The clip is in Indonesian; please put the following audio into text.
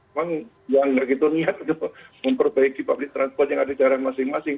memang yang begitu niat itu memperbaiki pabrik transport yang ada di daerah masing masing